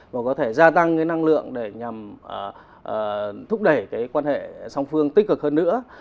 và có thể gia tăng cái năng lượng để nhằm thúc đẩy cái quan hệ song phương tích cực hơn nữa